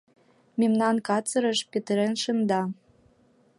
Мемнам «карцерыш» петырен шында.